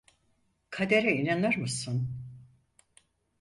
Kadere inanır mısın?